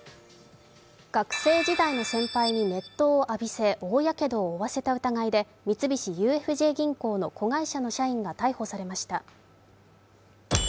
学生時代の先輩に熱湯を浴びせ大やけどを負わせた疑いで三菱ＵＦＪ銀行の子会社の社員が逮捕されました。